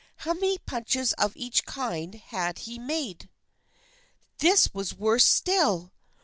How many punches of each kind had he made ?" This was worse still.